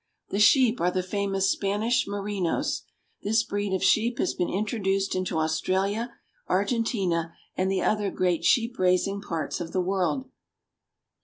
The sheep are the famous Spanish merinos. This breed of sheep has been introduced into Australia, Argentina, and the other great sheep raising parts of the world.